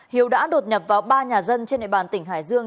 hiếu đã đột nhập vào ba nhà dân trên địa bàn tỉnh hải dương